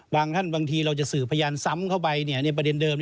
ท่านบางทีเราจะสื่อพยานซ้ำเข้าไปในประเด็นเดิม